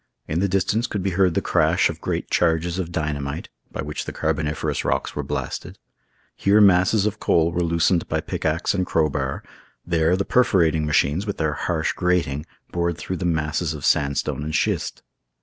In the distance could be heard the crash of great charges of dynamite, by which the carboniferous rocks were blasted. Here masses of coal were loosened by pick ax and crowbar; there the perforating machines, with their harsh grating, bored through the masses of sandstone and schist.